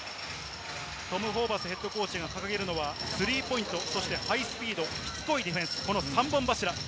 トム・ホーバスＨＣが掲げるのはスリーポイント、そしてハイスピード、しつこいディフェンス、この３本柱。